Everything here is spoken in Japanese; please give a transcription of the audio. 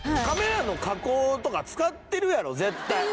カメラの加工とか使ってるやろ絶対。